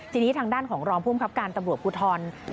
ทีนี้ทางด้านของรองภูมิครับการตำรวจภูทร